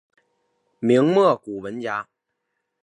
明末古文家。